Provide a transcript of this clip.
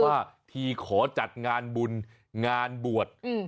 บอกว่าที่ขอจัดงานบุญงานบวชอืม